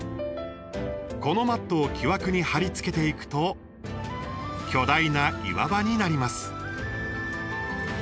このマットを木枠に貼り付けていくと巨大な岩場になります。